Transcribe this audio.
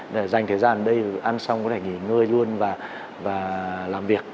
để dành thời gian ở đây ăn xong có thể nghỉ ngơi luôn và làm việc